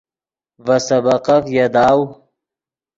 ڤے سبقف یاداؤ